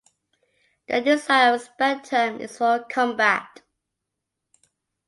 The design of a spetum is for combat.